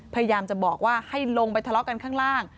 พยายามจะบอกว่าให้ลงไปทะเลาะกันข้างล่าง